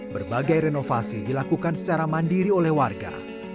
berbagai renovasi dilakukan secara mandiri oleh warga